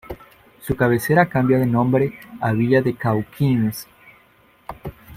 Su cabecera cambia de nombre a Villa de Cauquenes.